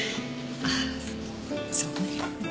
ああそうね。